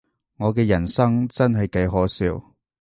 我嘅人生真係幾可笑